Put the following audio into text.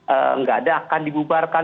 enggak ada akan dibubarkan